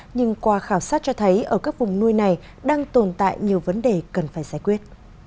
nhưng qua khảo sát cho thấy ở các vùng nuôi này đang tồn tại nhiều vấn đề cần phải giải quyết